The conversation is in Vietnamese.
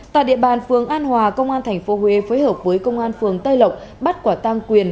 tại địa bàn phường an hòa công an thành phố huế phối hợp với công an phường tây lộng bắt quả tăng quyền